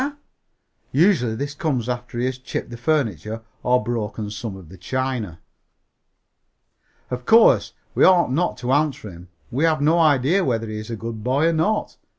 Usually this comes after he has chipped the furniture or broken some of the china. Of course, we ought not to answer him. We have no idea whether he is a good boy or not.